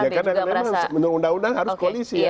ya karena memang menurut undang undang harus koalisi ya